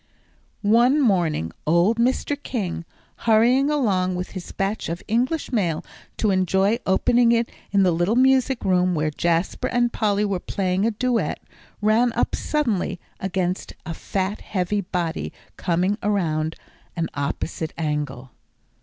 One morning old Mr. King, hurrying along with his batch of English mail to enjoy opening it in the little music room where Jasper and Polly were playing a duet, ran up suddenly against a fat heavy body coming around an opposite angle.